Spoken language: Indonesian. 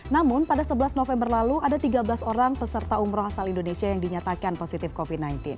namun pada sebelas november lalu ada tiga belas orang peserta umroh asal indonesia yang dinyatakan positif covid sembilan belas